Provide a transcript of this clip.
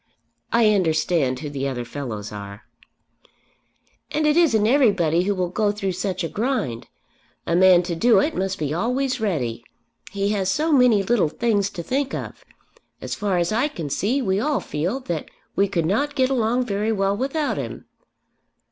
"I understand who the other fellows are." "And it isn't everybody who will go through such a grind. A man to do it must be always ready. He has so many little things to think of. As far as I can see we all feel that we could not get along very well without him."